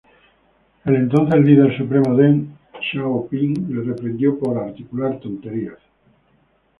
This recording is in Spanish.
El entonces Líder supremo Deng Xiaoping le reprendió por "articular tonterías".